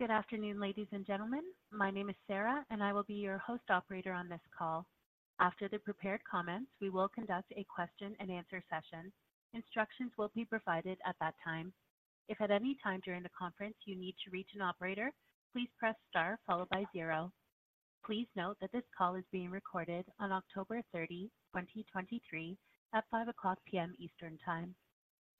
Good afternoon, ladies and gentlemen. My name is Sarah, and I will be your host operator on this call. After the prepared comments, we will conduct a question-and-answer session. Instructions will be provided at that time. If at any time during the conference you need to reach an operator, please press star followed by zero. Please note that this call is being recorded on October 30, 2023, at 5:00 P.M. Eastern Time.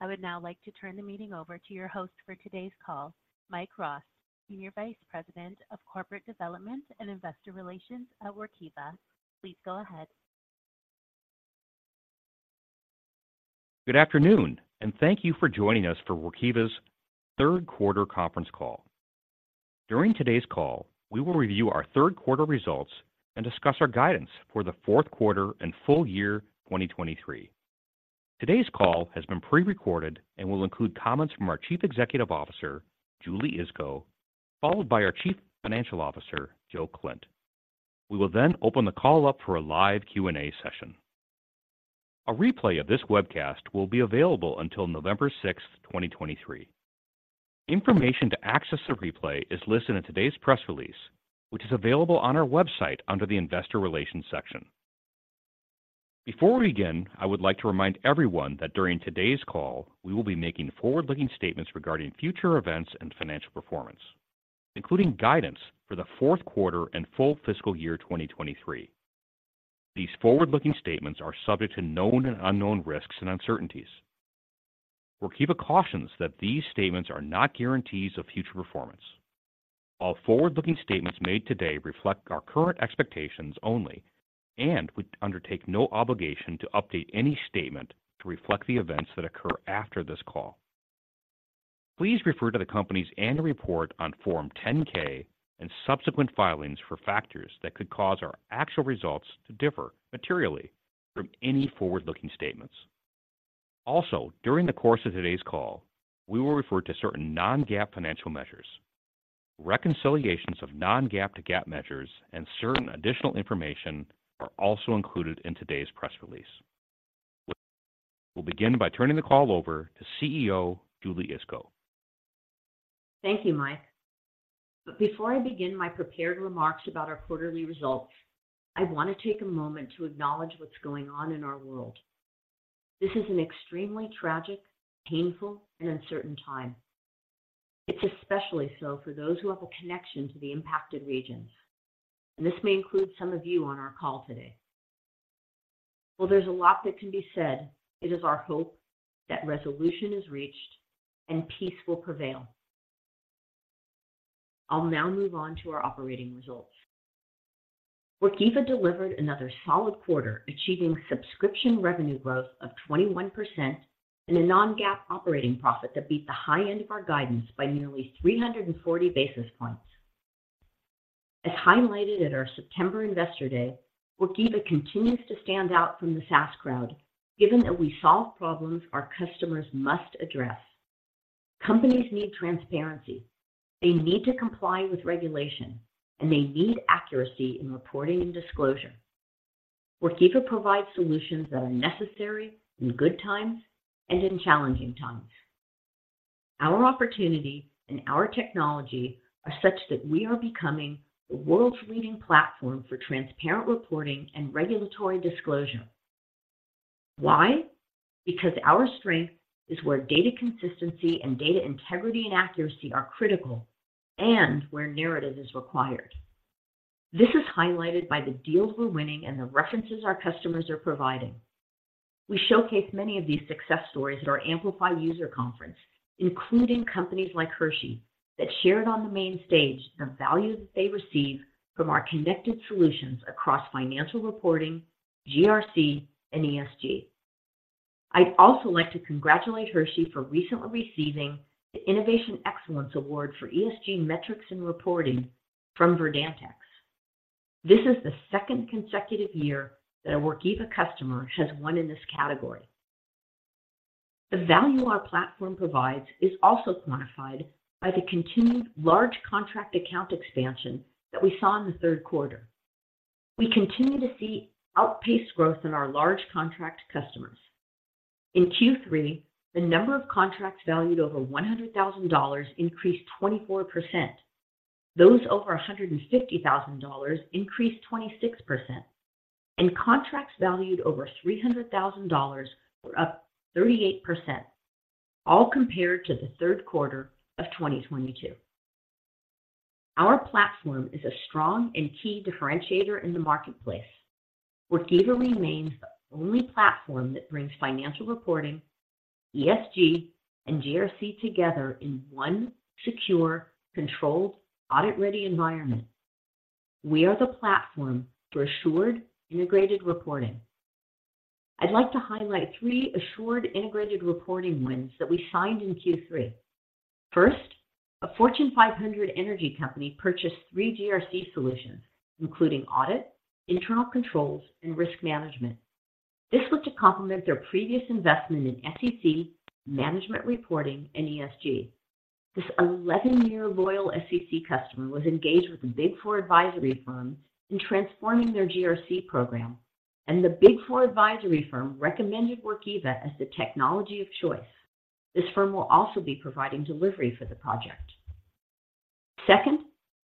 I would now like to turn the meeting over to your host for today's call, Mike Rost, Senior Vice President of Corporate Development and Investor Relations at Workiva. Please go ahead. Good afternoon, and thank you for joining us for Workiva's Third Quarter Conference Call. During today's call, we will review our third quarter results and discuss our guidance for the fourth quarter and full year 2023. Today's call has been prerecorded and will include comments from our Chief Executive Officer, Julie Iskow, followed by our Chief Financial Officer, Jill Klindt. We will then open the call up for a live Q&A session. A replay of this webcast will be available until November 6, 2023. Information to access the replay is listed in today's press release, which is available on our website under the Investor Relations section. Before we begin, I would like to remind everyone that during today's call, we will be making forward-looking statements regarding future events and financial performance, including guidance for the fourth quarter and full fiscal year 2023. These forward-looking statements are subject to known and unknown risks and uncertainties. Workiva cautions that these statements are not guarantees of future performance. All forward-looking statements made today reflect our current expectations only, and we undertake no obligation to update any statement to reflect the events that occur after this call. Please refer to the Company's annual report on Form 10-K, and subsequent filings for factors that could cause our actual results to differ materially from any forward-looking statements. Also, during the course of today's call, we will refer to certain non-GAAP financial measures. Reconciliations of non-GAAP to GAAP measures and certain additional information are also included in today's press release. We'll begin by turning the call over to CEO Julie Iskow. Thank you, Mike. But before I begin my prepared remarks about our quarterly results, I want to take a moment to acknowledge what's going on in our world. This is an extremely tragic, painful, and uncertain time. It's especially so for those who have a connection to the impacted regions, and this may include some of you on our call today. Well, there's a lot that can be said. It is our hope that resolution is reached and peace will prevail. I'll now move on to our operating results. Workiva delivered another solid quarter, achieving subscription revenue growth of 21% and a non-GAAP operating profit that beat the high end of our guidance by nearly 340 basis points. As highlighted at our September Investor Day, Workiva continues to stand out from the SaaS crowd, given that we solve problems our customers must address. Companies need transparency, they need to comply with regulation, and they need accuracy in reporting and disclosure. Workiva provides solutions that are necessary in good times and in challenging times. Our opportunity and our technology are such that we are becoming the world's leading platform for transparent reporting and regulatory disclosure. Why? Because our strength is where data consistency and data integrity and accuracy are critical and where narrative is required. This is highlighted by the deals we're winning and the references our customers are providing. We showcased many of these success stories at our Amplify user conference, including companies like Hershey, that shared on the main stage the value that they receive from our connected solutions across financial reporting, GRC, and ESG. I'd also like to congratulate Hershey for recently receiving the Innovation Excellence Award for ESG Metrics and Reporting from Verdantix. This is the second consecutive year that a Workiva customer has won in this category. The value our platform provides is also quantified by the continued large contract account expansion that we saw in the third quarter. We continue to see outpaced growth in our large contract customers. In Q3, the number of contracts valued over $100,000 increased 24%. Those over $150,000 increased 26%, and contracts valued over $300,000 were up 38%, all compared to the third quarter of 2022. Our platform is a strong and key differentiator in the marketplace. Workiva remains the only platform that brings financial reporting, ESG, and GRC together in one secure, controlled, audit-ready environment. We are the platform for assured integrated reporting. I'd like to highlight three assured integrated reporting wins that we signed in Q3. First, a Fortune 500 energy company purchased three GRC solutions, including audit, internal controls, and risk management. This was to complement their previous investment in SEC, management reporting, and ESG. This 11-year loyal SEC customer was engaged with a Big Four advisory firm in transforming their GRC program, and the Big Four advisory firm recommended Workiva as the technology of choice. This firm will also be providing delivery for the project. Second,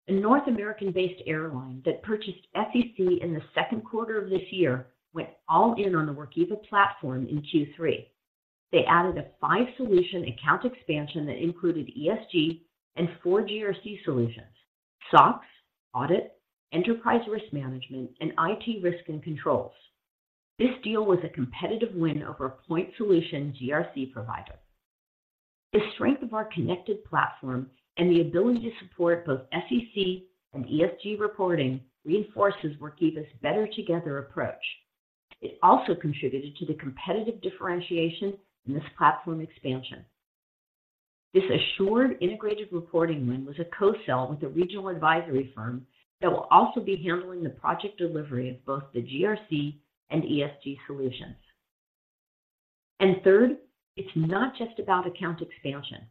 a North American-based airline that purchased SEC in the second quarter of this year went all in on the Workiva platform in Q3. They added a five-solution account expansion that included ESG and four GRC solutions: SOX, Audit, Enterprise Risk Management, and IT Risk and Controls. This deal was a competitive win over a point solution GRC provider. The strength of our connected platform and the ability to support both SEC and ESG reporting reinforces Workiva's better together approach. It also contributed to the competitive differentiation in this platform expansion. This assured integrated reporting win was a co-sell with a regional advisory firm that will also be handling the project delivery of both the GRC and ESG solutions. And third, it's not just about account expansion.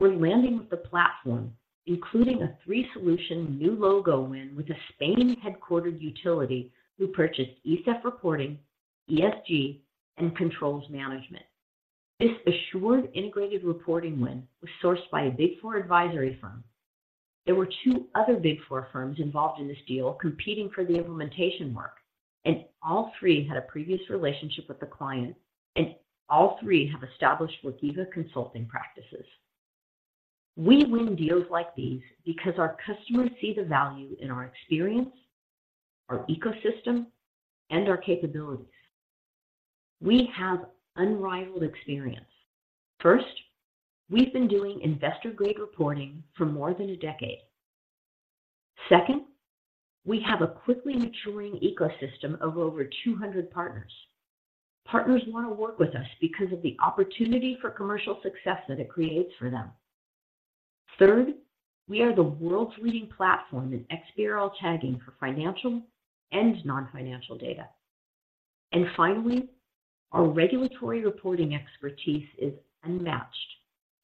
We're landing with the platform, including a three-solution new logo win with a Spain-headquartered utility who purchased ESEF reporting, ESG, and controls management. This assured integrated reporting win was sourced by a Big Four advisory firm. There were two other Big Four firms involved in this deal competing for the implementation work, and all three had a previous relationship with the client, and all three have established Workiva consulting practices. We win deals like these because our customers see the value in our experience, our ecosystem, and our capabilities. We have unrivaled experience. First, we've been doing investor-grade reporting for more than a decade. Second, we have a quickly maturing ecosystem of over 200 partners. Partners want to work with us because of the opportunity for commercial success that it creates for them. Third, we are the world's leading platform in XBRL tagging for financial and non-financial data. And finally, our regulatory reporting expertise is unmatched.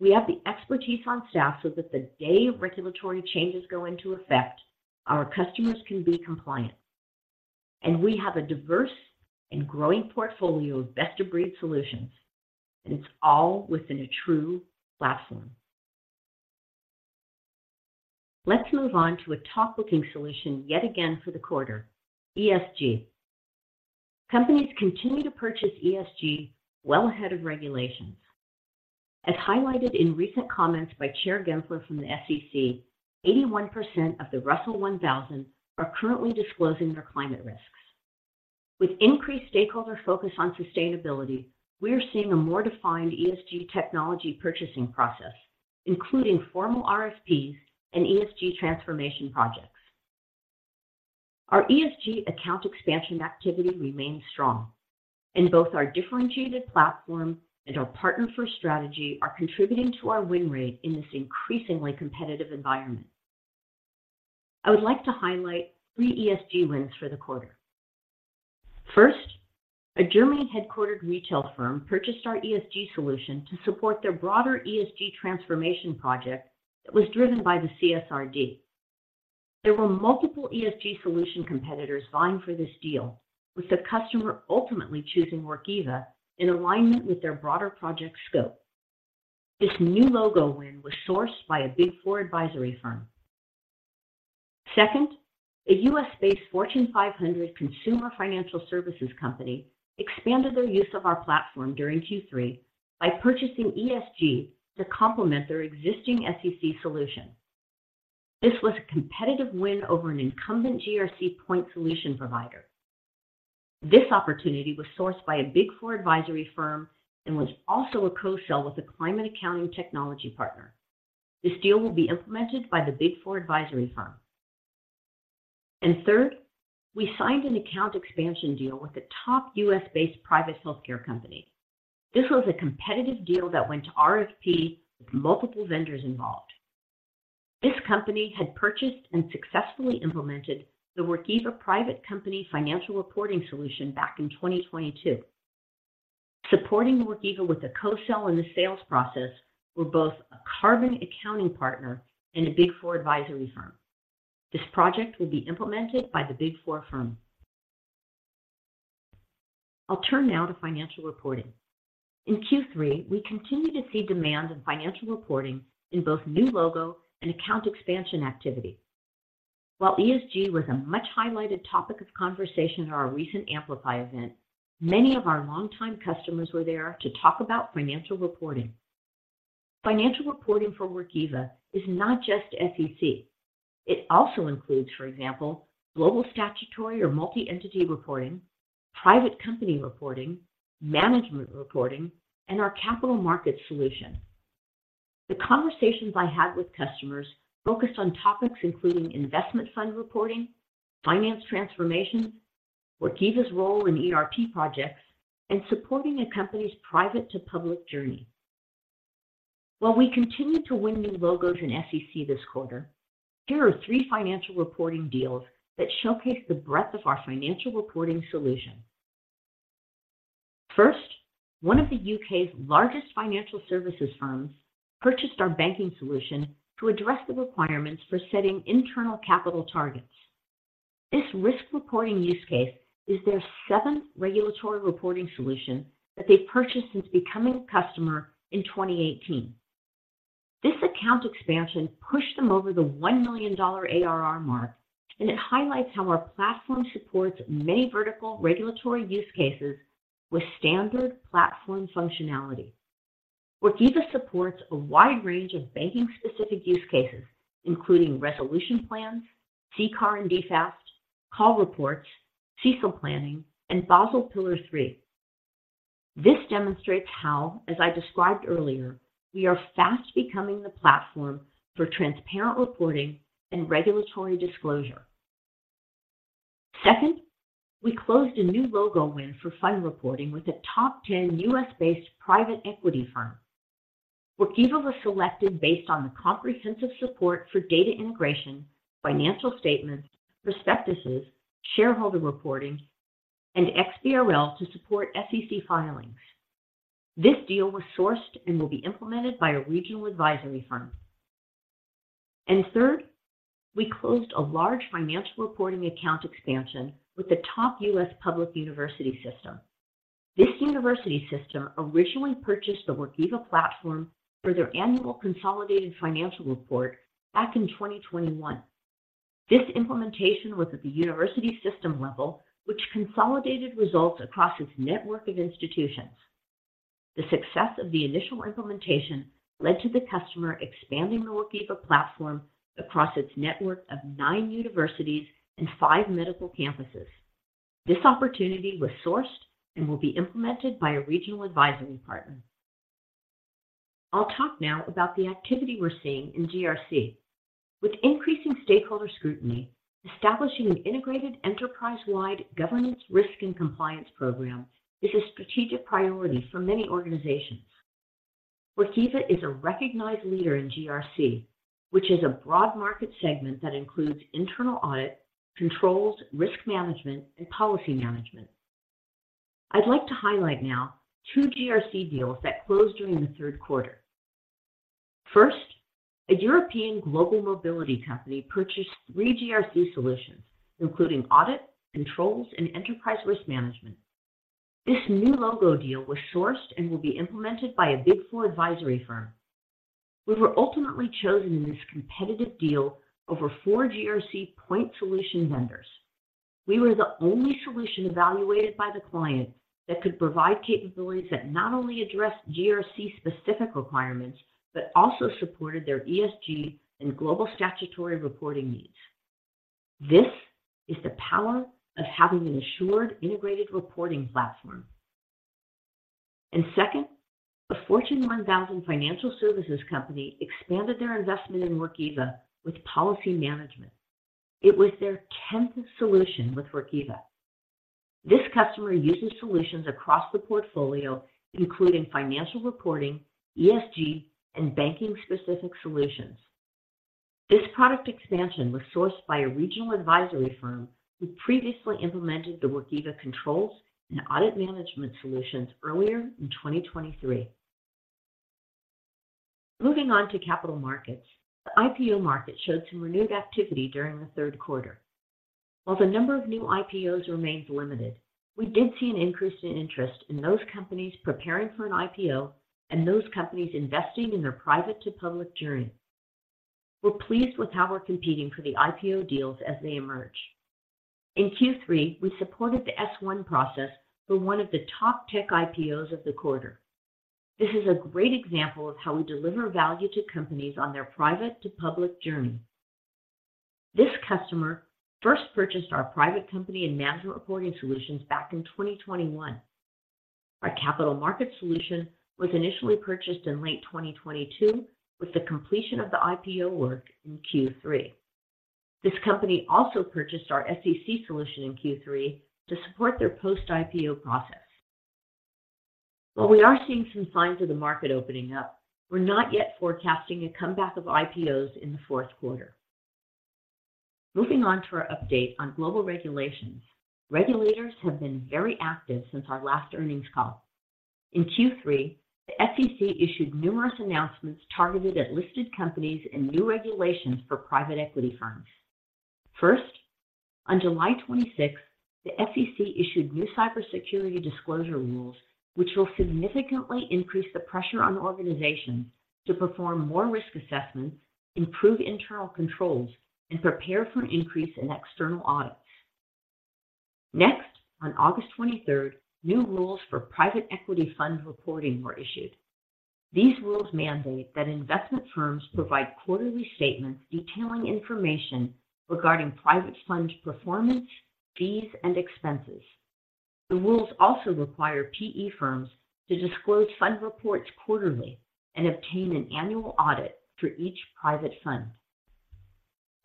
We have the expertise on staff so that the day regulatory changes go into effect, our customers can be compliant. And we have a diverse and growing portfolio of best-of-breed solutions, and it's all within a true platform. Let's move on to a top-looking solution yet again for the quarter: ESG. Companies continue to purchase ESG well ahead of regulations. As highlighted in recent comments by Chair Gensler from the SEC, 81% of the Russell 1000 are currently disclosing their climate risks. With increased stakeholder focus on sustainability, we are seeing a more defined ESG technology purchasing process, including formal RFPs and ESG transformation projects. Our ESG account expansion activity remains strong, and both our differentiated platform and our partner-first strategy are contributing to our win rate in this increasingly competitive environment. I would like to highlight three ESG wins for the quarter. First, a Germany-headquartered retail firm purchased our ESG solution to support their broader ESG transformation project that was driven by the CSRD. There were multiple ESG solution competitors vying for this deal, with the customer ultimately choosing Workiva in alignment with their broader project scope. This new logo win was sourced by a Big Four advisory firm. Second, a U.S.-based Fortune 500 consumer financial services company expanded their use of our platform during Q3 by purchasing ESG to complement their existing SEC solution. This was a competitive win over an incumbent GRC point solution provider. This opportunity was sourced by a Big Four advisory firm and was also a co-sell with a climate accounting technology partner. This deal will be implemented by the Big Four advisory firm. Third, we signed an account expansion deal with a top U.S.-based private healthcare company. This was a competitive deal that went to RFP, with multiple vendors involved. This company had purchased and successfully implemented the Workiva private company financial reporting solution back in 2022. Supporting Workiva with a co-sell in the sales process were both a carbon accounting partner and a Big Four advisory firm. This project will be implemented by the Big Four firm. I'll turn now to financial reporting. In Q3, we continued to see demand in financial reporting in both new logo and account expansion activity. While ESG was a much-highlighted topic of conversation at our recent Amplify event, many of our longtime customers were there to talk about financial reporting. Financial reporting for Workiva is not just SEC. It also includes, for example, global statutory or multi-entity reporting, private company reporting, management reporting, and our capital markets solution. The conversations I had with customers focused on topics including investment fund reporting, finance transformations, Workiva's role in ERP projects, and supporting a company's private to public journey. While we continued to win new logos in SEC this quarter, here are three financial reporting deals that showcase the breadth of our financial reporting solution. First, one of the U.K.'s largest financial services firms purchased our banking solution to address the requirements for setting internal capital targets. This risk reporting use case is their seventh regulatory reporting solution that they've purchased since becoming a customer in 2018. This account expansion pushed them over the $1 million ARR mark, and it highlights how our platform supports many vertical regulatory use cases with standard platform functionality. Workiva supports a wide range of banking-specific use cases, including resolution plans, CCAR and DFAST, call reports, CECL planning, and Basel Pillar 3. This demonstrates how, as I described earlier, we are fast becoming the platform for transparent reporting and regulatory disclosure. Second, we closed a new logo win for fund reporting with a top 10 U.S.-based private equity firm. Workiva was selected based on the comprehensive support for data integration, financial statements, prospectuses, shareholder reporting, and XBRL to support SEC filings. This deal was sourced and will be implemented by a regional advisory firm. And third, we closed a large financial reporting account expansion with a top U.S. public university system. This university system originally purchased the Workiva platform for their annual consolidated financial report back in 2021. This implementation was at the university system level, which consolidated results across its network of institutions. The success of the initial implementation led to the customer expanding the Workiva platform across its network of nine universities and five medical campuses. This opportunity was sourced and will be implemented by a regional advisory partner. I'll talk now about the activity we're seeing in GRC. With increasing stakeholder scrutiny, establishing an integrated enterprise-wide governance, risk, and compliance program is a strategic priority for many organizations. Workiva is a recognized leader in GRC, which is a broad market segment that includes internal audit, controls, risk management, and policy management. I'd like to highlight now two GRC deals that closed during the third quarter. First, a European global mobility company purchased three GRC solutions, including audit, controls, and enterprise risk management. This new logo deal was sourced and will be implemented by a Big Four advisory firm. We were ultimately chosen in this competitive deal over four GRC point solution vendors. We were the only solution evaluated by the client that could provide capabilities that not only addressed GRC-specific requirements, but also supported their ESG and global statutory reporting needs. This is the power of having an assured, integrated reporting platform. Second, a Fortune 1000 financial services company expanded their investment in Workiva with policy management. It was their tenth solution with Workiva. This customer uses solutions across the portfolio, including financial reporting, ESG, and banking-specific solutions. This product expansion was sourced by a regional advisory firm who previously implemented the Workiva controls and audit management solutions earlier in 2023. Moving on to capital markets. The IPO market showed some renewed activity during the third quarter. While the number of new IPOs remains limited, we did see an increase in interest in those companies preparing for an IPO and those companies investing in their private-to-public journey. We're pleased with how we're competing for the IPO deals as they emerge. In Q3, we supported the S-1 process for one of the top tech IPOs of the quarter. This is a great example of how we deliver value to companies on their private-to-public journey. This customer first purchased our private company and management reporting solutions back in 2021. Our capital market solution was initially purchased in late 2022, with the completion of the IPO work in Q3. This company also purchased our SEC solution in Q3 to support their post-IPO process. While we are seeing some signs of the market opening up, we're not yet forecasting a comeback of IPOs in the fourth quarter. Moving on to our update on global regulations. Regulators have been very active since our last earnings call. In Q3, the SEC issued numerous announcements targeted at listed companies and new regulations for private equity firms. First, on July 26th, the SEC issued new cybersecurity disclosure rules, which will significantly increase the pressure on organizations to perform more risk assessments, improve internal controls, and prepare for an increase in external audits. Next, on August 23rd, new rules for private equity fund reporting were issued. These rules mandate that investment firms provide quarterly statements detailing information regarding private funds' performance, fees, and expenses. The rules also require PE firms to disclose fund reports quarterly and obtain an annual audit for each private fund.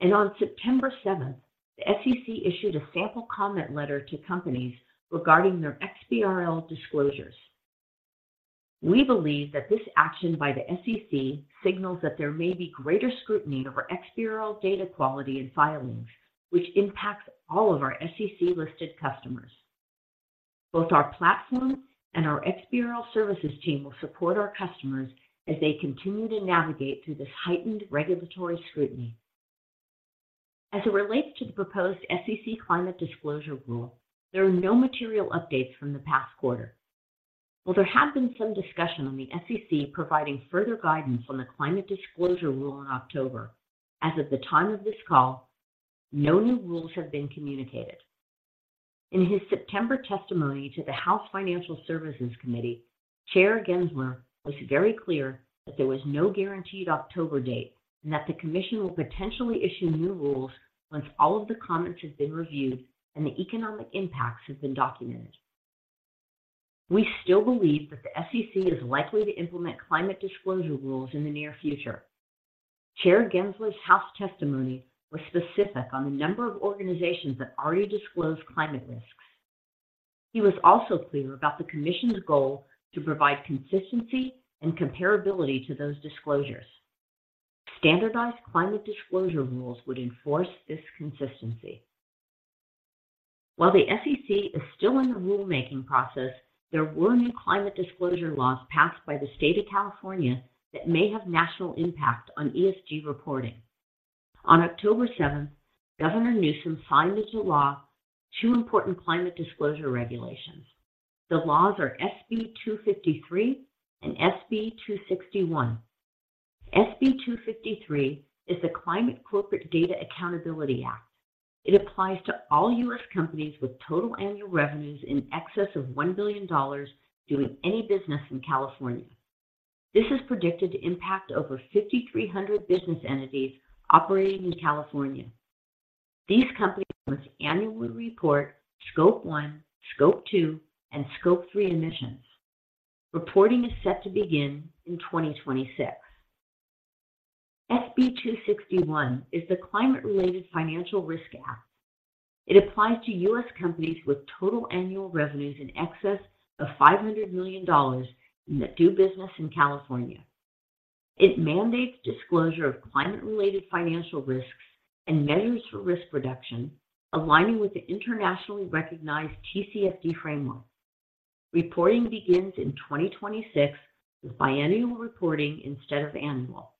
On September 7th, the SEC issued a sample comment letter to companies regarding their XBRL disclosures. We believe that this action by the SEC signals that there may be greater scrutiny over XBRL data quality and filings, which impacts all of our SEC-listed customers. Both our platform and our XBRL services team will support our customers as they continue to navigate through this heightened regulatory scrutiny. As it relates to the proposed SEC climate disclosure rule, there are no material updates from the past quarter. While there have been some discussion on the SEC providing further guidance on the climate disclosure rule in October, as of the time of this call, no new rules have been communicated. In his September testimony to the House Financial Services Committee, Chair Gensler was very clear that there was no guaranteed October date, and that the commission will potentially issue new rules once all of the comments have been reviewed and the economic impacts have been documented. We still believe that the SEC is likely to implement climate disclosure rules in the near future. Chair Gensler's House testimony was specific on the number of organizations that already disclose climate risks. He was also clear about the commission's goal to provide consistency and comparability to those disclosures. Standardized climate disclosure rules would enforce this consistency. While the SEC is still in the rulemaking process, there were new climate disclosure laws passed by the state of California that may have national impact on ESG reporting. On October 7, Governor Newsom signed into law two important climate disclosure regulations. The laws are SB 253 and SB 261. SB 253 is the Climate Corporate Data Accountability Act. It applies to all U.S. companies with total annual revenues in excess of $1 billion doing any business in California. This is predicted to impact over 5,300 business entities operating in California. These companies must annually report scope 1, scope 2, and scope 3 emissions. Reporting is set to begin in 2026. SB 261 is the Climate-Related Financial Risk Act. It applies to U.S. companies with total annual revenues in excess of $500 million and that do business in California. It mandates disclosure of climate-related financial risks and measures for risk reduction, aligning with the internationally recognized TCFD framework. Reporting begins in 2026, with biannual reporting instead of annual.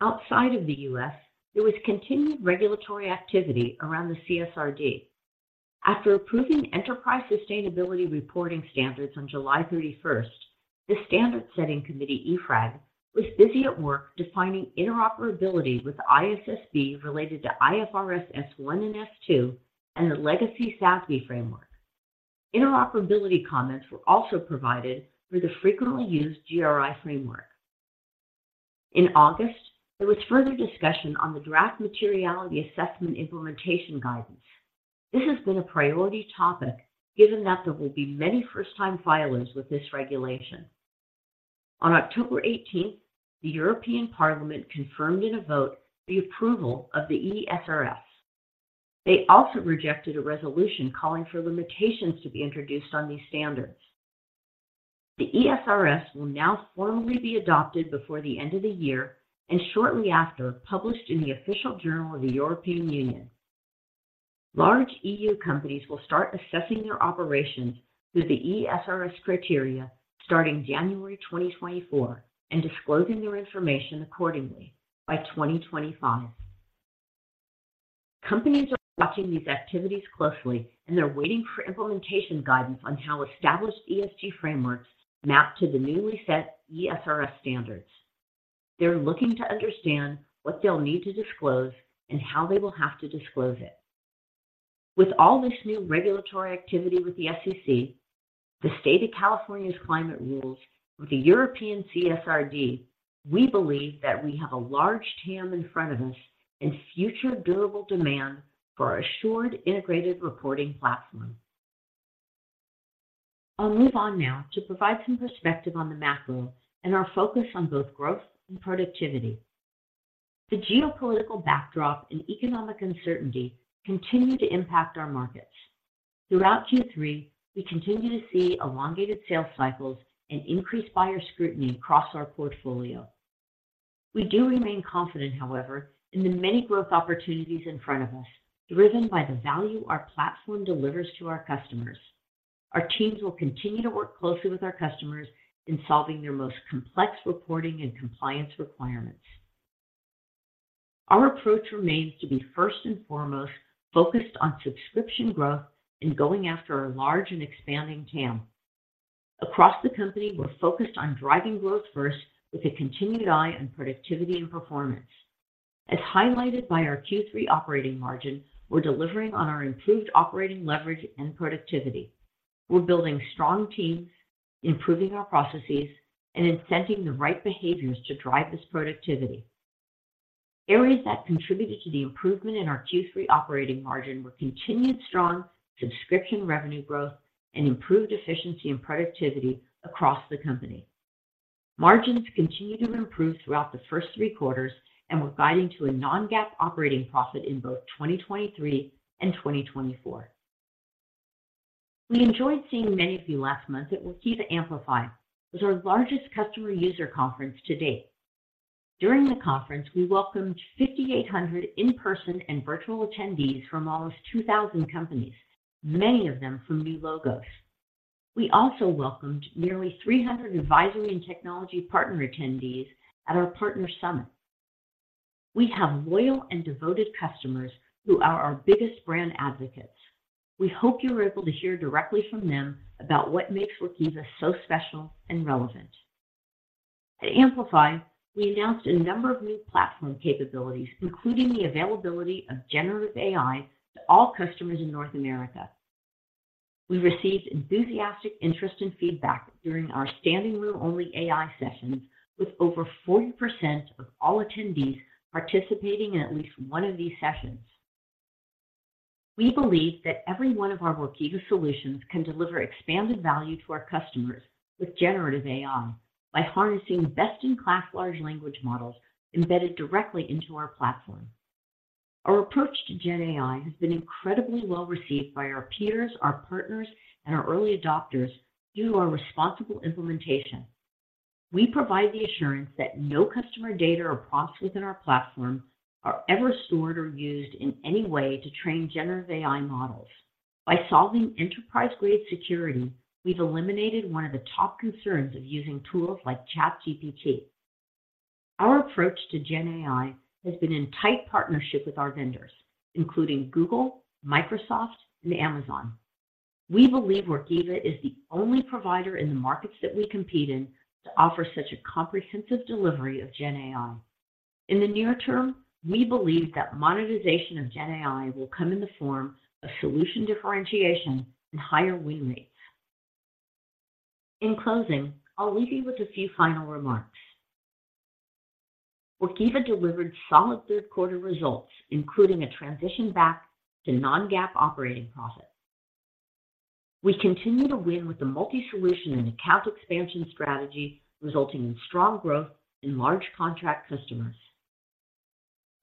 Outside of the U.S., there was continued regulatory activity around the CSRD. After approving enterprise sustainability reporting standards on July 31, the standard-setting committee, EFRAG, was busy at work defining interoperability with ISSB related to IFRS S1 and S2, and the legacy SASB framework. Interoperability comments were also provided for the frequently used GRI framework. In August, there was further discussion on the draft materiality assessment implementation guidance. This has been a priority topic, given that there will be many first-time filers with this regulation. On October 18, the European Parliament confirmed in a vote the approval of the ESRS. They also rejected a resolution calling for limitations to be introduced on these standards. The ESRS will now formally be adopted before the end of the year, and shortly after, published in the Official Journal of the European Union. Large EU companies will start assessing their operations through the ESRS criteria starting January 2024, and disclosing their information accordingly by 2025. Companies are watching these activities closely, and they're waiting for implementation guidance on how established ESG frameworks map to the newly set ESRS standards. They're looking to understand what they'll need to disclose and how they will have to disclose it. With all this new regulatory activity with the SEC, the state of California's climate rules, with the European CSRD, we believe that we have a large TAM in front of us and future durable demand for our assured integrated reporting platform. I'll move on now to provide some perspective on the macro and our focus on both growth and productivity. The geopolitical backdrop and economic uncertainty continue to impact our markets. Throughout Q3, we continue to see elongated sales cycles and increased buyer scrutiny across our portfolio. We do remain confident, however, in the many growth opportunities in front of us, driven by the value our platform delivers to our customers. Our teams will continue to work closely with our customers in solving their most complex reporting and compliance requirements. Our approach remains to be first and foremost focused on subscription growth and going after a large and expanding TAM. Across the company, we're focused on driving growth first with a continued eye on productivity and performance. As highlighted by our Q3 operating margin, we're delivering on our improved operating leverage and productivity. We're building strong teams, improving our processes, and incenting the right behaviors to drive this productivity. Areas that contributed to the improvement in our Q3 operating margin were continued strong subscription revenue growth and improved efficiency and productivity across the company. Margins continue to improve throughout the first three quarters, and we're guiding to a non-GAAP operating profit in both 2023 and 2024. We enjoyed seeing many of you last month at Workiva Amplify. It was our largest customer user conference to date. During the conference, we welcomed 5,800 in-person and virtual attendees from almost 2,000 companies, many of them from new logos. We also welcomed nearly 300 advisory and technology partner attendees at our partner summit. We have loyal and devoted customers who are our biggest brand advocates. We hope you were able to hear directly from them about what makes Workiva so special and relevant. At Amplify, we announced a number of new platform capabilities, including the availability of generative AI to all customers in North America. We received enthusiastic interest and feedback during our standing-room-only AI sessions, with over 40% of all attendees participating in at least one of these sessions. We believe that every one of our Workiva solutions can deliver expanded value to our customers with generative AI, by harnessing best-in-class large language models embedded directly into our platform. Our approach to Gen AI has been incredibly well-received by our peers, our partners, and our early adopters due to our responsible implementation. We provide the assurance that no customer data or prompts within our platform are ever stored or used in any way to train generative AI models. By solving enterprise-grade security, we've eliminated one of the top concerns of using tools like ChatGPT. Our approach to Gen AI has been in tight partnership with our vendors, including Google, Microsoft, and Amazon. We believe Workiva is the only provider in the markets that we compete in to offer such a comprehensive delivery of Gen AI. In the near term, we believe that monetization of Gen AI will come in the form of solution differentiation and higher win rates. In closing, I'll leave you with a few final remarks. Workiva delivered solid third quarter results, including a transition back to non-GAAP operating profit. We continue to win with a multi-solution and account expansion strategy, resulting in strong growth in large contract customers.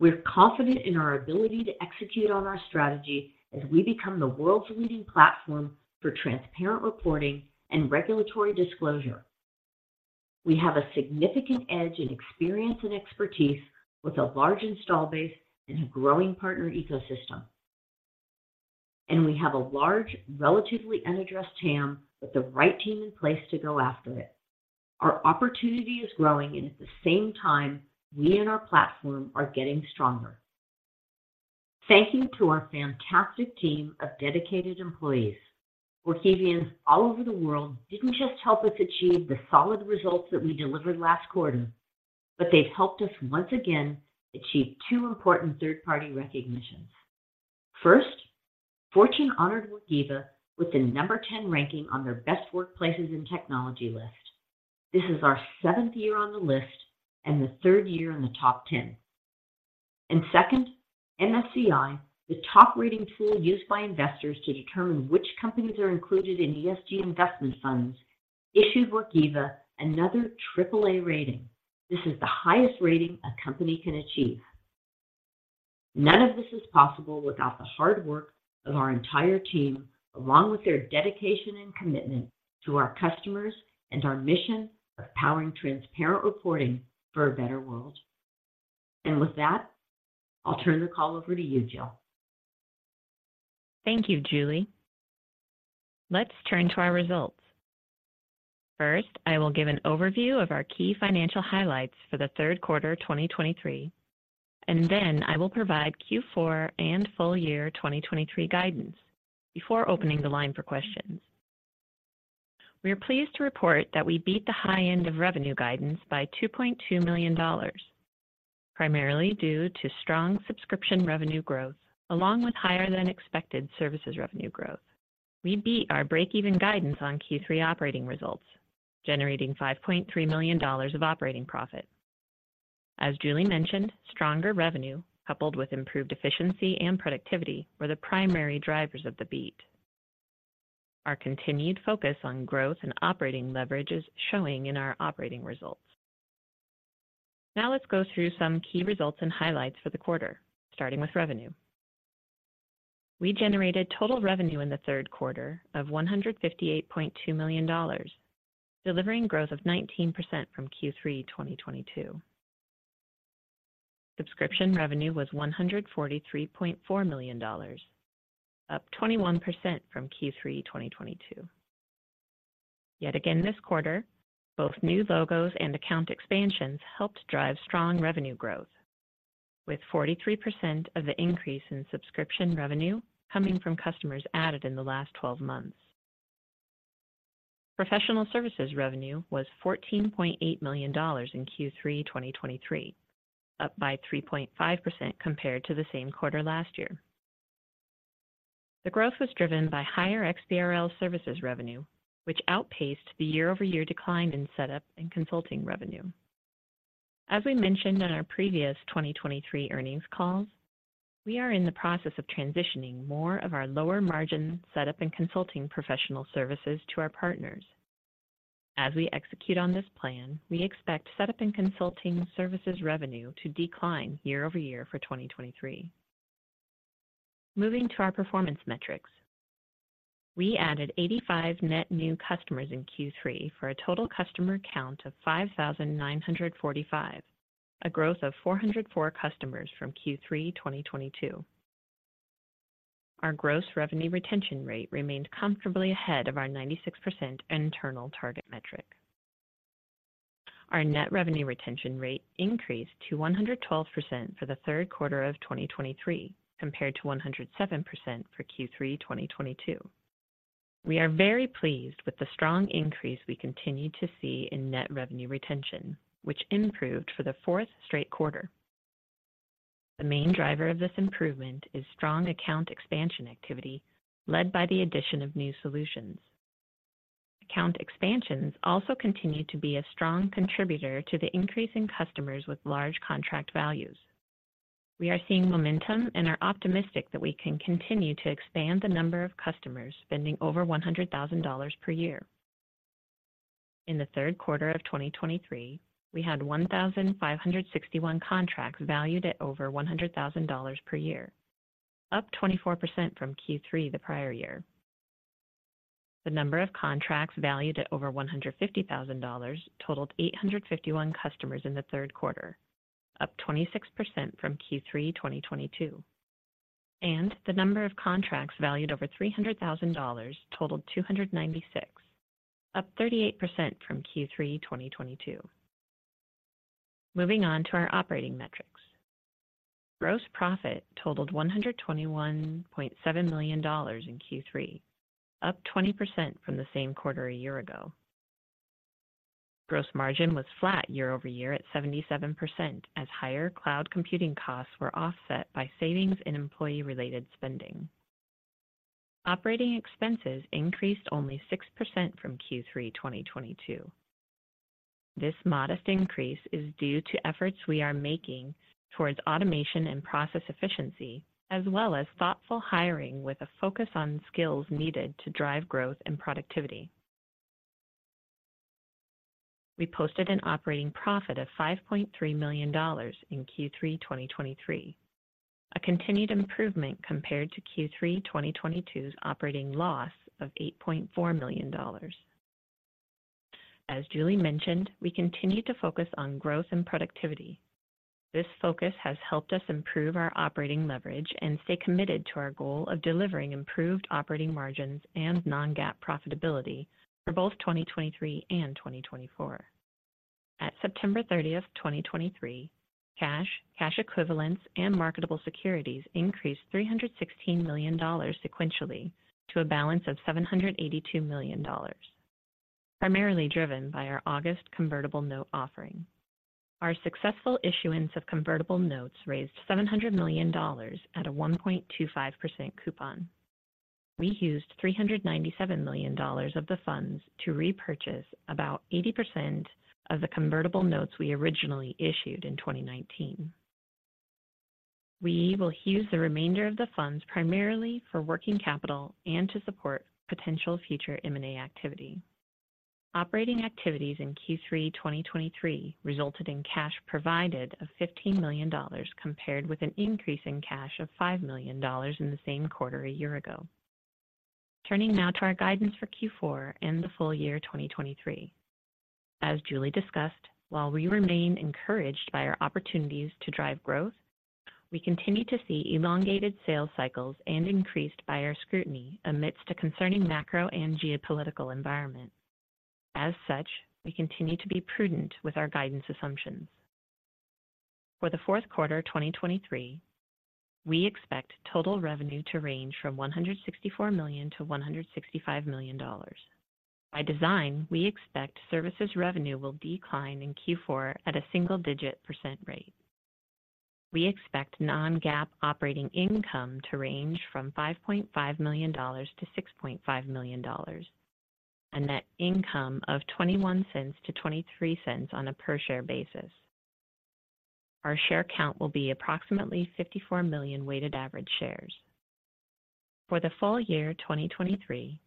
We're confident in our ability to execute on our strategy as we become the world's leading platform for transparent reporting and regulatory disclosure. We have a significant edge in experience and expertise with a large install base and a growing partner ecosystem, and we have a large, relatively unaddressed TAM, with the right team in place to go after it. Our opportunity is growing, and at the same time, we and our platform are getting stronger. Thank you to our fantastic team of dedicated employees. Workivians all over the world didn't just help us achieve the solid results that we delivered last quarter, but they've helped us once again achieve two important third-party recognitions. First, Fortune honored Workiva with the number 10 ranking on their Best Workplaces in Technology list. This is our seventh year on the list and the third year in the top 10. And second, MSCI, the top rating tool used by investors to determine which companies are included in ESG investment funds, issued Workiva another AAA rating. This is the highest rating a company can achieve. None of this is possible without the hard work of our entire team, along with their dedication and commitment to our customers and our mission of powering transparent reporting for a better world. And with that, I'll turn the call over to you, Jill. Thank you, Julie. Let's turn to our results. First, I will give an overview of our key financial highlights for the third quarter 2023, and then I will provide Q4 and full year 2023 guidance before opening the line for questions. We are pleased to report that we beat the high end of revenue guidance by $2.2 million, primarily due to strong subscription revenue growth, along with higher-than-expected services revenue growth. We beat our break-even guidance on Q3 operating results, generating $5.3 million of operating profit. As Julie mentioned, stronger revenue, coupled with improved efficiency and productivity, were the primary drivers of the beat. Our continued focus on growth and operating leverage is showing in our operating results. Now let's go through some key results and highlights for the quarter, starting with revenue. We generated total revenue in the third quarter of $158.2 million, delivering growth of 19% from Q3 2022. Subscription revenue was $143.4 million, up 21% from Q3 2022. Yet again this quarter, both new logos and account expansions helped drive strong revenue growth, with 43% of the increase in subscription revenue coming from customers added in the last 12 months. Professional services revenue was $14.8 million in Q3 2023, up by 3.5% compared to the same quarter last year. The growth was driven by higher XBRL services revenue, which outpaced the year-over-year decline in setup and consulting revenue. As we mentioned in our previous 2023 earnings call, we are in the process of transitioning more of our lower margin setup and consulting professional services to our partners. As we execute on this plan, we expect setup and consulting services revenue to decline year-over-year for 2023. Moving to our performance metrics. We added 85 net new customers in Q3 for a total customer count of 5,945, a growth of 404 customers from Q3 2022. Our gross revenue retention rate remained comfortably ahead of our 96% internal target metric. Our net revenue retention rate increased to 112% for the third quarter of 2023, compared to 107% for Q3 2022. We are very pleased with the strong increase we continue to see in net revenue retention, which improved for the fourth straight quarter. The main driver of this improvement is strong account expansion activity, led by the addition of new solutions. Account expansions also continue to be a strong contributor to the increase in customers with large contract values. We are seeing momentum and are optimistic that we can continue to expand the number of customers spending over $100,000 per year. In the third quarter of 2023, we had 1,561 contracts valued at over $100,000 per year, up 24% from Q3 the prior year. The number of contracts valued at over $150,000 totaled 851 customers in the third quarter, up 26% from Q3 2022, and the number of contracts valued over $300,000 totaled 296, up 38% from Q3 2022. Moving on to our operating metrics. Gross profit totaled $121.7 million in Q3, up 20% from the same quarter a year ago. Gross margin was flat year-over-year at 77%, as higher cloud computing costs were offset by savings in employee-related spending. Operating expenses increased only 6% from Q3 2022. This modest increase is due to efforts we are making towards automation and process efficiency, as well as thoughtful hiring with a focus on skills needed to drive growth and productivity. We posted an operating profit of $5.3 million in Q3 2023, a continued improvement compared to Q3 2022's operating loss of $8.4 million. As Julie mentioned, we continue to focus on growth and productivity. This focus has helped us improve our operating leverage and stay committed to our goal of delivering improved operating margins and non-GAAP profitability for both 2023 and 2024. At September 30, 2023, cash, cash equivalents, and marketable securities increased $316 million sequentially to a balance of $782 million, primarily driven by our August convertible note offering. Our successful issuance of convertible notes raised $700 million at a 1.25% coupon. We used $397 million of the funds to repurchase about 80% of the convertible notes we originally issued in 2019. We will use the remainder of the funds primarily for working capital and to support potential future M&A activity. Operating activities in Q3 2023 resulted in cash provided of $15 million, compared with an increase in cash of $5 million in the same quarter a year ago. Turning now to our guidance for Q4 and the full year 2023. As Julie discussed, while we remain encouraged by our opportunities to drive growth, we continue to see elongated sales cycles and increased buyer scrutiny amidst a concerning macro and geopolitical environment. As such, we continue to be prudent with our guidance assumptions. For the fourth quarter of 2023, we expect total revenue to range from $164 million-$165 million. By design, we expect services revenue will decline in Q4 at a single-digit % rate. We expect non-GAAP operating income to range from $5.5 million to $6.5 million, and net income of $0.21-$0.23 on a per-share basis. Our share count will be approximately 54 million weighted average shares. For the full year 2023,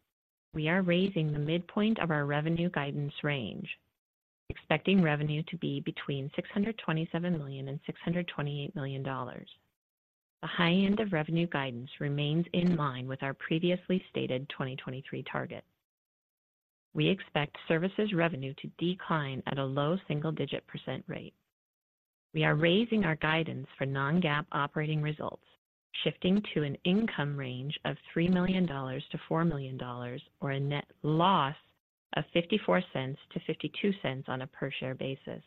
we are raising the midpoint of our revenue guidance range, expecting revenue to be between $627 million and $628 million. The high end of revenue guidance remains in line with our previously stated 2023 target. We expect services revenue to decline at a low single-digit % rate. We are raising our guidance for non-GAAP operating results, shifting to an income range of $3 million-$4 million, or a net loss of $0.54-$0.52 on a per-share basis.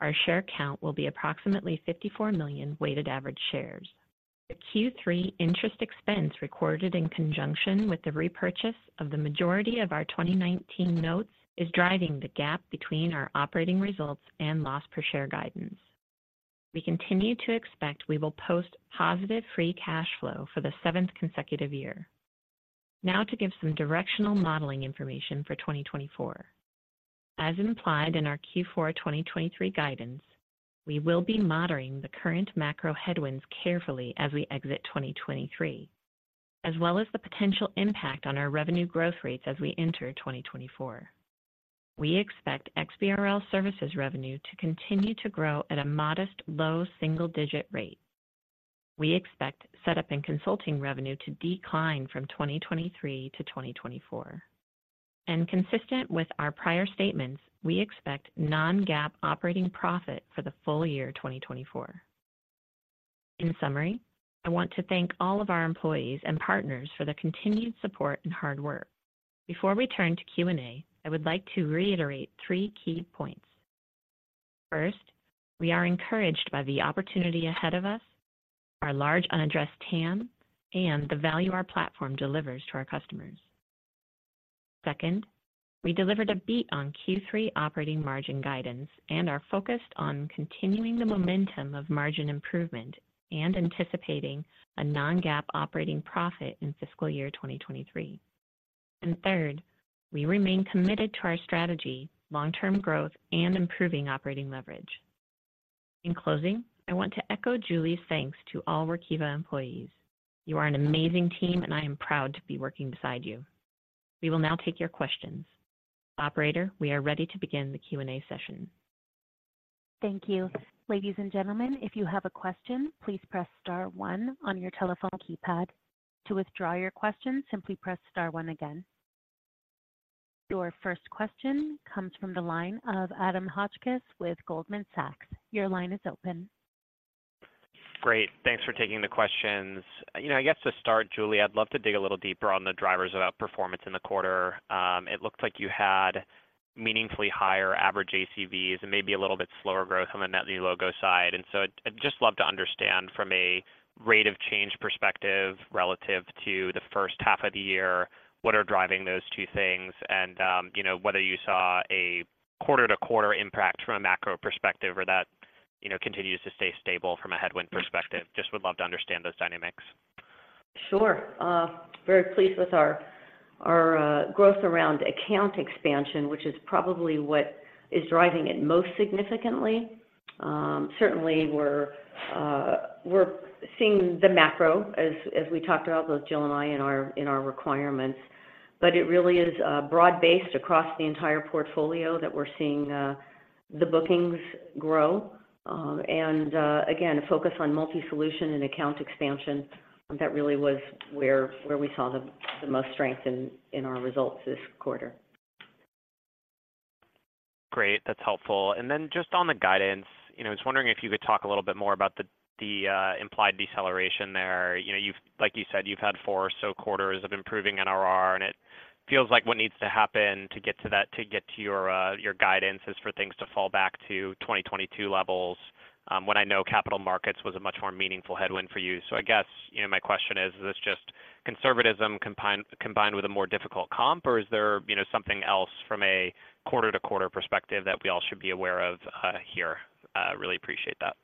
Our share count will be approximately 54 million weighted average shares. The Q3 interest expense recorded in conjunction with the repurchase of the majority of our 2019 notes, is driving the gap between our operating results and loss per share guidance. We continue to expect we will post positive free cash flow for the 7th consecutive year. Now to give some directional modeling information for 2024. As implied in our Q4 2023 guidance, we will be monitoring the current macro headwinds carefully as we exit 2023, as well as the potential impact on our revenue growth rates as we enter 2024. We expect XBRL services revenue to continue to grow at a modest low single-digit rate. We expect setup and consulting revenue to decline from 2023 to 2024. Consistent with our prior statements, we expect non-GAAP operating profit for the full year 2024. In summary, I want to thank all of our employees and partners for their continued support and hard work. Before we turn to Q&A, I would like to reiterate three key points. First, we are encouraged by the opportunity ahead of us, our large unaddressed TAM, and the value our platform delivers to our customers. Second, we delivered a beat on Q3 operating margin guidance and are focused on continuing the momentum of margin improvement and anticipating a non-GAAP operating profit in fiscal year 2023. And third, we remain committed to our strategy, long-term growth, and improving operating leverage. In closing, I want to echo Julie's thanks to all Workiva employees. You are an amazing team, and I am proud to be working beside you. We will now take your questions. Operator, we are ready to begin the Q&A session. Thank you. Ladies and gentlemen, if you have a question, please press star one on your telephone keypad. To withdraw your question, simply press star one again. Your first question comes from the line of Adam Hotchkiss with Goldman Sachs. Your line is open. Great. Thanks for taking the questions. You know, I guess to start, Julie, I'd love to dig a little deeper on the drivers of outperformance in the quarter. It looked like you had meaningfully higher average ACV and maybe a little bit slower growth on the net new logo side. And so I'd just love to understand from a rate of change perspective, relative to the first half of the year, what are driving those two things? And, you know, whether you saw a quarter-to-quarter impact from a macro perspective or that, you know, continues to stay stable from a headwind perspective. Just would love to understand those dynamics. Sure. Very pleased with our growth around account expansion, which is probably what is driving it most significantly. Certainly we're seeing the macro as we talked about, both Jill and I, in our requirements. But it really is broad-based across the entire portfolio that we're seeing the bookings grow. And again, a focus on multi-solution and account expansion. That really was where we saw the most strength in our results this quarter. Great. That's helpful. And then just on the guidance, you know, I was wondering if you could talk a little bit more about the implied deceleration there. You know, you've—like you said, you've had four or so quarters of improving NRR, and it feels like what needs to happen to get to that, to get to your guidance is for things to fall back to 2022 levels, when I know capital markets was a much more meaningful headwind for you. So I guess, you know, my question is, is this just conservatism combined with a more difficult comp, or is there, you know, something else from a quarter-to-quarter perspective that we all should be aware of here? Really appreciate that.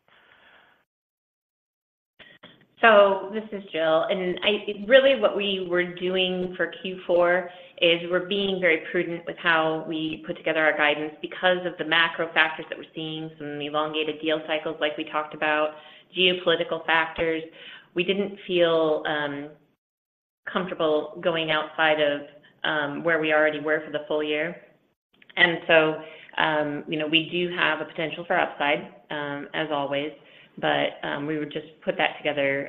So this is Jill, and really what we were doing for Q4 is we're being very prudent with how we put together our guidance because of the macro factors that we're seeing, some elongated deal cycles, like we talked about, geopolitical factors. We didn't feel comfortable going outside of where we already were for the full year. And so, you know, we do have a potential for upside, as always, but we would just put that together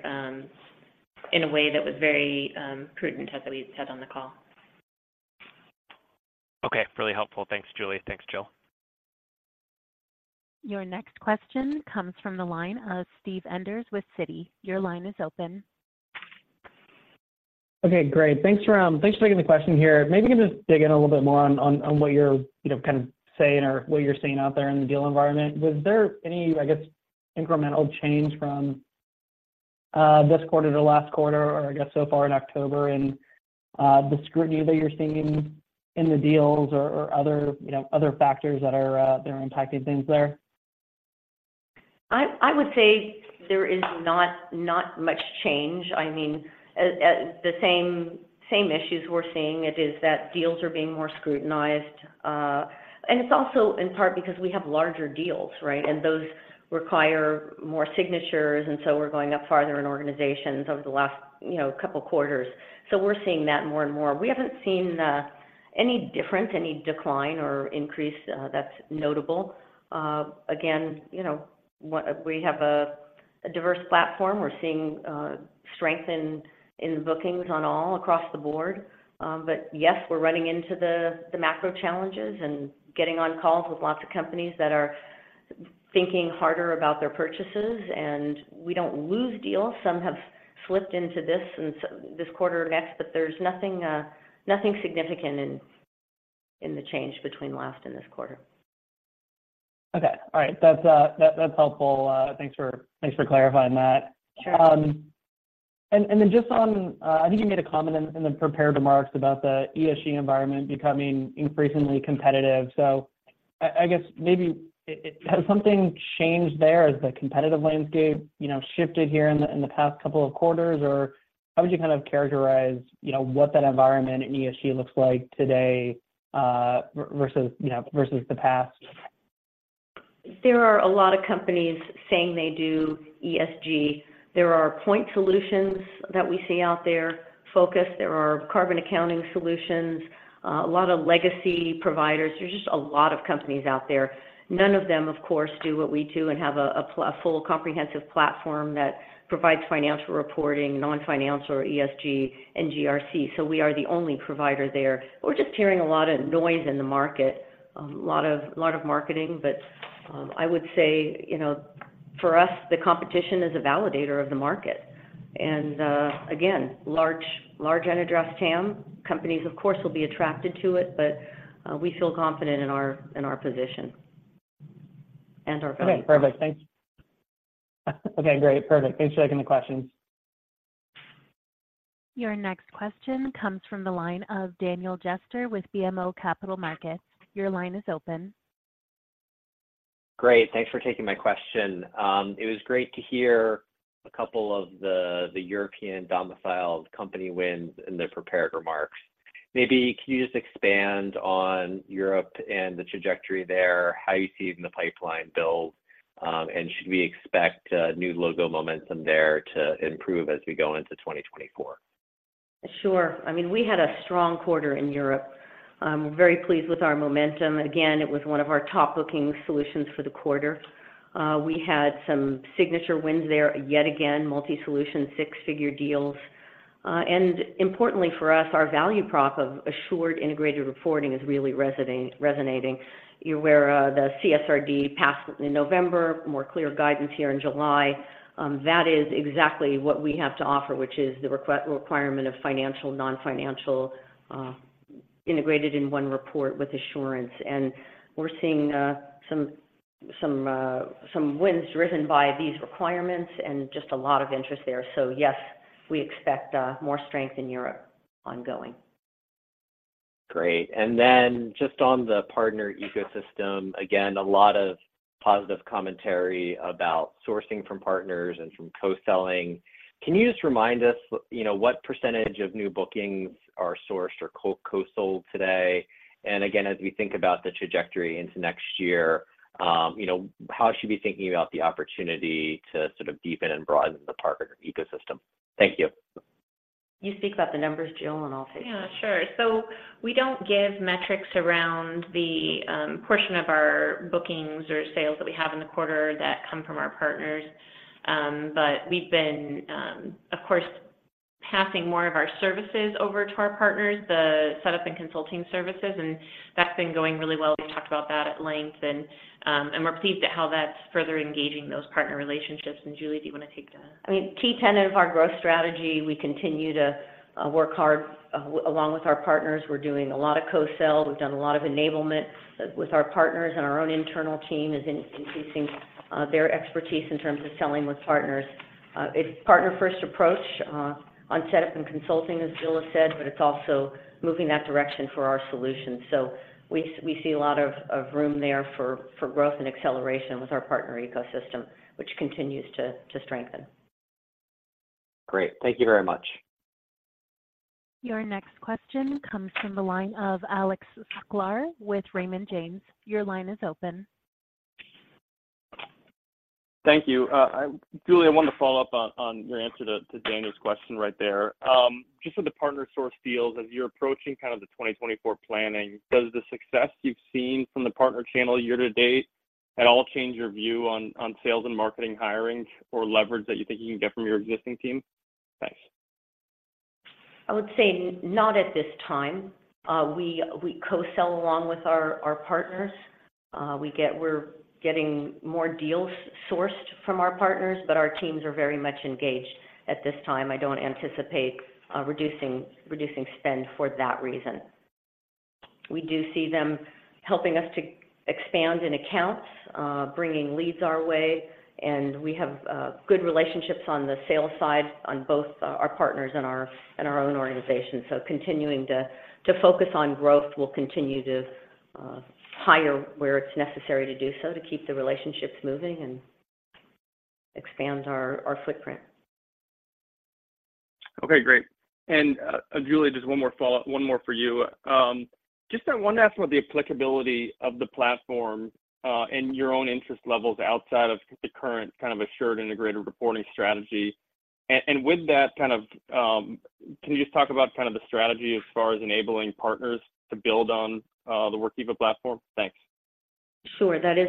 in a way that was very prudent, as we said on the call. Okay. Really helpful. Thanks, Julie. Thanks, Jill. Your next question comes from the line of Steve Enders with Citi. Your line is open. Okay, great. Thanks for taking the question here. Maybe you can just dig in a little bit more on what you're, you know, kind of saying or what you're seeing out there in the deal environment. Was there any, I guess, incremental change from this quarter to last quarter or, I guess, so far in October in the scrutiny that you're seeing in the deals or other, you know, other factors that are impacting things there? I would say there is not much change. I mean, the same issues we're seeing. It is that deals are being more scrutinized. And it's also in part because we have larger deals, right? And those require more signatures, and so we're going up farther in organizations over the last, you know, couple quarters. So we're seeing that more and more. We haven't seen any difference, any decline or increase that's notable. Again, you know, we have a diverse platform. We're seeing strength in bookings across the board. But yes, we're running into the macro challenges and getting on calls with lots of companies that are thinking harder about their purchases, and we don't lose deals. Some have slipped into this since this quarter or next, but there's nothing significant in the change between last and this quarter. Okay. All right. That's, that's helpful. Thanks for, thanks for clarifying that. Sure. And then just on, I think you made a comment in the prepared remarks about the ESG environment becoming increasingly competitive. So I guess maybe it has something changed there? Has the competitive landscape, you know, shifted here in the past couple of quarters, or how would you kind of characterize, you know, what that environment in ESG looks like today, versus, you know, versus the past? There are a lot of companies saying they do ESG. There are point solutions that we see out there, focus. There are carbon accounting solutions, a lot of legacy providers. There's just a lot of companies out there. None of them, of course, do what we do and have a full comprehensive platform that provides financial reporting, non-financial ESG, and GRC. So we are the only provider there. We're just hearing a lot of noise in the market, a lot of marketing. But I would say, you know, for us, the competition is a validator of the market. And again, large unaddressed TAM. Companies, of course, will be attracted to it, but we feel confident in our position and our value. Okay, perfect. Thanks. Okay, great. Perfect. Thanks for taking the questions. Your next question comes from the line of Daniel Jester with BMO Capital Markets. Your line is open. Great. Thanks for taking my question. It was great to hear a couple of the European domiciled company wins in the prepared remarks. Maybe can you just expand on Europe and the trajectory there, how you see it in the pipeline build, and should we expect new logo momentum there to improve as we go into 2024? Sure. I mean, we had a strong quarter in Europe. I'm very pleased with our momentum. Again, it was one of our top booking solutions for the quarter. We had some signature wins there, yet again, multi-solution, six-figure deals. And importantly for us, our value prop of assured integrated reporting is really resonating, resonating. You're aware of the CSRD passed in November, more clear guidance here in July. That is exactly what we have to offer, which is the requirement of financial, non-financial, integrated in one report with assurance. And we're seeing some wins driven by these requirements and just a lot of interest there. So yes, we expect more strength in Europe ongoing. Great. And then just on the partner ecosystem, again, a lot of positive commentary about sourcing from partners and from co-selling. Can you just remind us, you know, what percentage of new bookings are sourced or co-sold today? And again, as we think about the trajectory into next year, you know, how should we be thinking about the opportunity to sort of deepen and broaden the partner ecosystem? Thank you. You speak about the numbers, Jill, and I'll take them. Yeah, sure. So we don't give metrics around the portion of our bookings or sales that we have in the quarter that come from our partners. But we've been, of course, passing more of our services over to our partners, the setup and consulting services, and that's been going really well. We've talked about that at length, and, and we're pleased at how that's further engaging those partner relationships. And Julie, do you want to take that? I mean, key tenet of our growth strategy, we continue to work hard along with our partners. We're doing a lot of co-sell. We've done a lot of enablement with our partners, and our own internal team is increasing their expertise in terms of selling with partners. It's partner-first approach on setup and consulting, as Jill has said, but it's also moving that direction for our solutions. So we see a lot of room there for growth and acceleration with our partner ecosystem, which continues to strengthen. Great. Thank you very much. Your next question comes from the line of Alex Sklar with Raymond James. Your line is open. Thank you. Julie, I wanted to follow up on your answer to Daniel's question right there. Just on the partner source deals, as you're approaching kind of the 2024 planning, does the success you've seen from the partner channel year to date at all change your view on sales and marketing hiring or leverage that you think you can get from your existing team? Thanks. I would say not at this time. We co-sell along with our partners. We're getting more deals sourced from our partners, but our teams are very much engaged at this time. I don't anticipate reducing spend for that reason. We do see them helping us to expand in accounts, bringing leads our way, and we have good relationships on the sales side, on both our partners and our own organization. So continuing to focus on growth. We'll continue to hire where it's necessary to do so, to keep the relationships moving and expand our footprint. Okay, great. And, Julie, just one more follow-up, one more for you. Just I want to ask about the applicability of the platform, and your own interest levels outside of the current, kind of assured integrated reporting strategy. And, and with that kind of, can you just talk about kind of the strategy as far as enabling partners to build on, the Workiva platform? Thanks. Sure. That is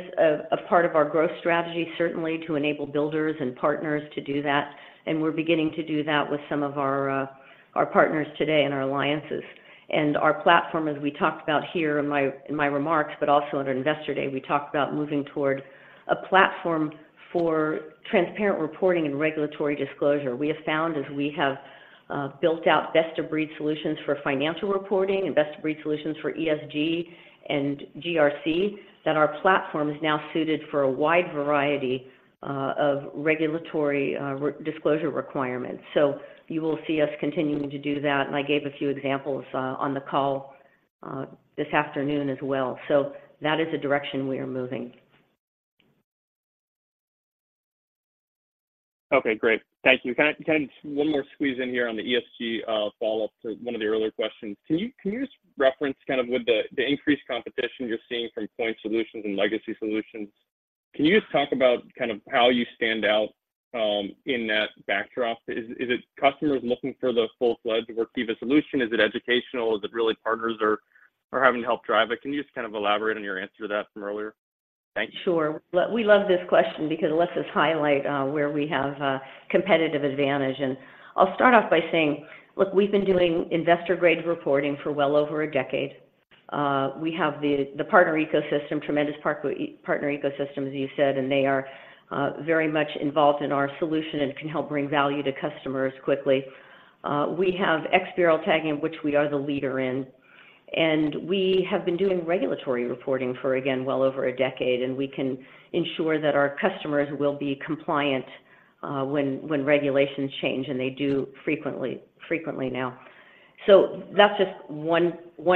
a part of our growth strategy, certainly, to enable builders and partners to do that, and we're beginning to do that with some of our our partners today and our alliances. And our platform, as we talked about here in my, in my remarks, but also at our Investor Day, we talked about moving toward a platform for transparent reporting and regulatory disclosure. We have found, as we have built out best-of-breed solutions for financial reporting and best-of-breed solutions for ESG and GRC, that our platform is now suited for a wide variety of regulatory disclosure requirements. So you will see us continuing to do that, and I gave a few examples on the call this afternoon as well. So that is the direction we are moving. Okay, great. Thank you. Can I, can I one more squeeze in here on the ESG follow-up to one of the earlier questions? Can you, can you just reference kind of with the, the increased competition you're seeing from point solutions and legacy solutions, can you just talk about kind of how you stand out in that backdrop? Is, is it customers looking for the full-fledged Workiva solution? Is it educational? Is it really partners are, are having to help drive it? Can you just kind of elaborate on your answer to that from earlier? Thanks. Sure. We love this question because it lets us highlight where we have a competitive advantage. And I'll start off by saying, look, we've been doing investor-grade reporting for well over a decade. We have the partner ecosystem, tremendous partner ecosystem, as you said, and they are very much involved in our solution and can help bring value to customers quickly. We have XBRL tagging, which we are the leader in, and we have been doing regulatory reporting for, again, well over a decade, and we can ensure that our customers will be compliant when regulations change, and they do frequently now. So that's just one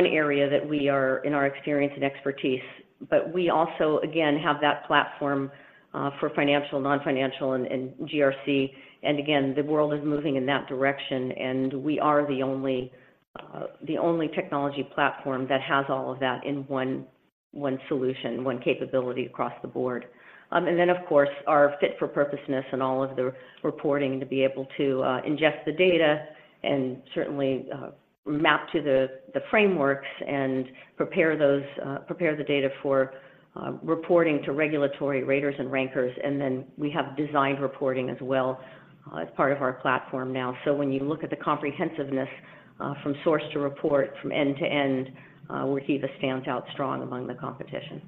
area that we are in our experience and expertise. But we also, again, have that platform for financial, non-financial, and GRC. And again, the world is moving in that direction, and we are the only, the only technology platform that has all of that in one, one solution, one capability across the board. And then, of course, our fit for purposefulness and all of the reporting to be able to ingest the data and certainly map to the, the frameworks and prepare those, prepare the data for reporting to regulatory raters and rankers. And then we have designed reporting as well, as part of our platform now. So when you look at the comprehensiveness, from source to report, from end to end, Workiva stands out strong among the competition.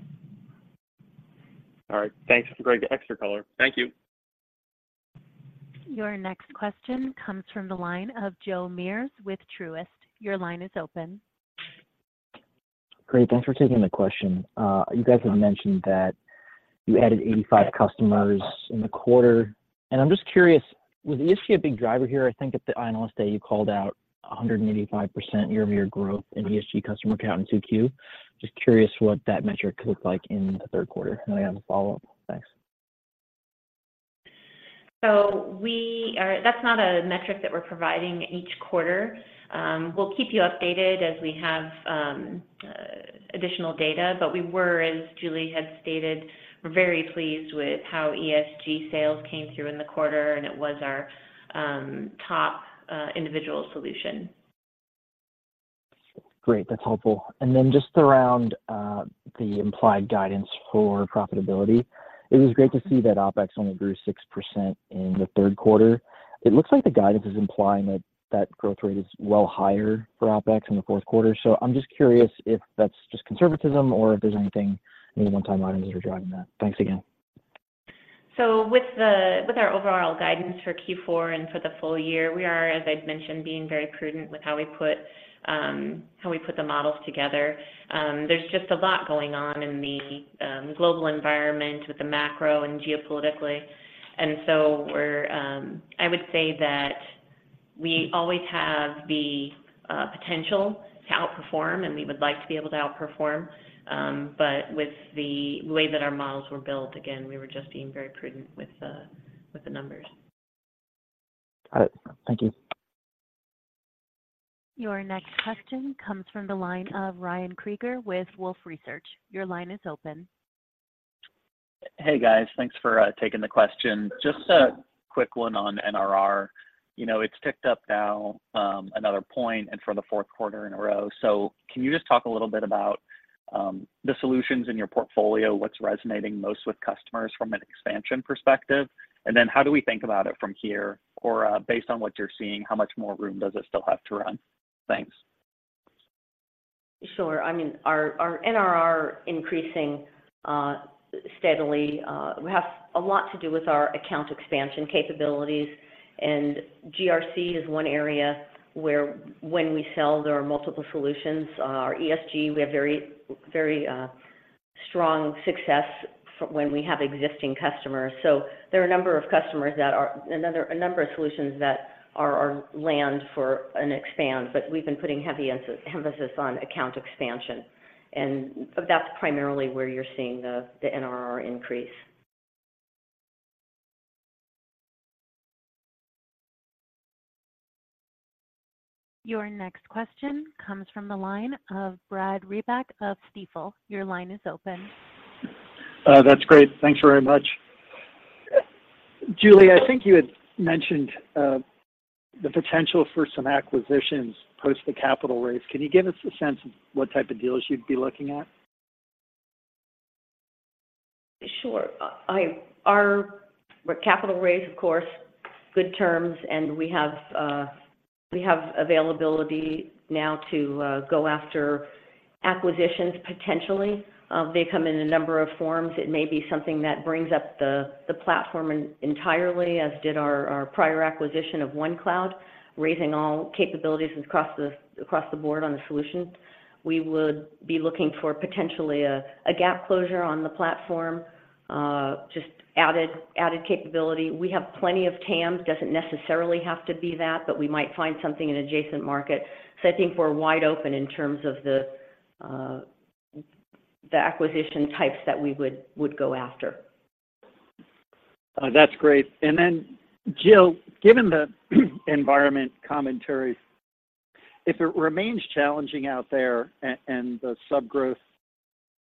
All right. Thanks for the extra color. Thank you. Your next question comes from the line of Joe Meares with Truist. Your line is open. Great, thanks for taking the question. You guys have mentioned that you added 85 customers in the quarter, and I'm just curious, was ESG a big driver here? I think at the Analyst Day, you called out a 185% year-over-year growth in ESG customer count in 2Q. Just curious what that metric looked like in the third quarter. And I have a follow-up. Thanks. That's not a metric that we're providing each quarter. We'll keep you updated as we have additional data, but we were, as Julie had stated, we're very pleased with how ESG sales came through in the quarter, and it was our top individual solution. Great, that's helpful. And then just around the implied guidance for profitability, it was great to see that OpEx only grew 6% in the third quarter. It looks like the guidance is implying that that growth rate is well higher for OpEx in the fourth quarter. So I'm just curious if that's just conservatism or if there's anything, any one-time items that are driving that. Thanks again. So with our overall guidance for Q4 and for the full year, we are, as I'd mentioned, being very prudent with how we put the models together. There's just a lot going on in the global environment with the macro and geopolitically. And so we're. I would say that we always have the potential to outperform, and we would like to be able to outperform. But with the way that our models were built, again, we were just being very prudent with the numbers. All right. Thank you. Your next question comes from the line of Ryan Krieger with Wolfe Research. Your line is open. Hey, guys. Thanks for taking the question. Just a quick one on NRR. You know, it's ticked up now, another point and for the fourth quarter in a row. So can you just talk a little bit about the solutions in your portfolio, what's resonating most with customers from an expansion perspective? And then how do we think about it from here, or, based on what you're seeing, how much more room does it still have to run? Thanks. Sure. I mean, our, our NRR increasing steadily, we have a lot to do with our account expansion capabilities, and GRC is one area where when we sell, there are multiple solutions. Our ESG, we have very, very strong success when we have existing customers. So there are a number of customers that are a number, a number of solutions that are, are land for an expand, but we've been putting heavy emphasis on account expansion, and but that's primarily where you're seeing the, the NRR increase. Your next question comes from the line of Brad Reback of Stifel. Your line is open. That's great. Thanks very much. Julie, I think you had mentioned the potential for some acquisitions post the capital raise. Can you give us a sense of what type of deals you'd be looking at? Sure. Our capital raise, of course, good terms, and we have availability now to go after acquisitions potentially. They come in a number of forms. It may be something that brings up the platform entirely, as did our prior acquisition of OneCloud, raising all capabilities across the board on the solution. We would be looking for potentially a gap closure on the platform, just added capability. We have plenty of TAMs, doesn't necessarily have to be that, but we might find something in adjacent market. So I think we're wide open in terms of the acquisition types that we would go after. That's great. And then, Jill, given the environment commentary, if it remains challenging out there and the sub growth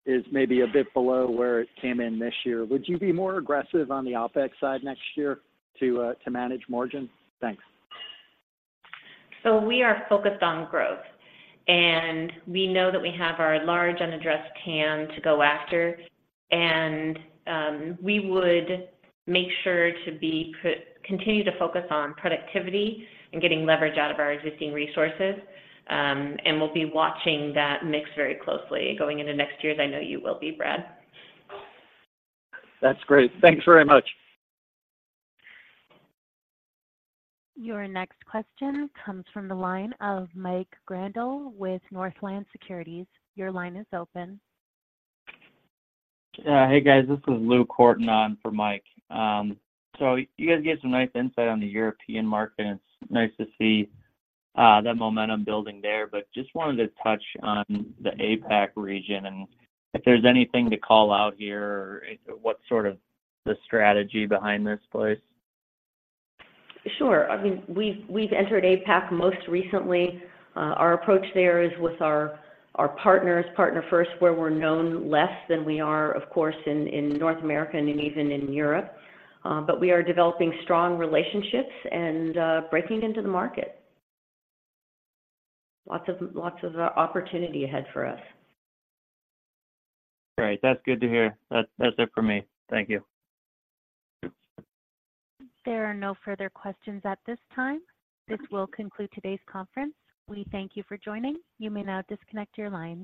is maybe a bit below where it came in this year, would you be more aggressive on the OpEx side next year to manage margin? Thanks. So we are focused on growth, and we know that we have our large unaddressed TAM to go after. We would make sure to continue to focus on productivity and getting leverage out of our existing resources. We'll be watching that mix very closely going into next year, as I know you will be, Brad. That's great. Thanks very much. Your next question comes from the line of Mike Grondahl with Northland Securities. Your line is open. Hey, guys, this is Lou Corten on for Mike. So you guys gave some nice insight on the European market, and it's nice to see that momentum building there. But just wanted to touch on the APAC region, and if there's anything to call out here, or what's sort of the strategy behind this place? Sure. I mean, we've entered APAC most recently. Our approach there is with our partners, partner first, where we're known less than we are, of course, in North America and even in Europe. But we are developing strong relationships and breaking into the market. Lots of opportunity ahead for us. Great. That's good to hear. That's, that's it for me. Thank you. There are no further questions at this time. This will conclude today's conference. We thank you for joining. You may now disconnect your lines.